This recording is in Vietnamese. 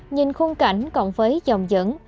nhìn khung cảnh còn vấy dòng dẫn